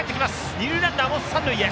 二塁ランナーも三塁へ。